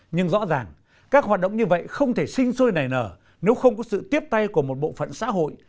nhưng rõ ràng các hoạt động như vậy không thể sinh sôi nảy nở nếu không có sự tiếp tay của một bộ phận xã hội